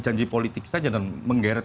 janji politik saja dan menggeret